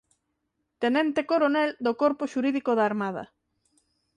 Tenente coronel do Corpo Xurídico da Armada.